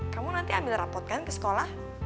kamu nanti ambil rapot kan ke sekolah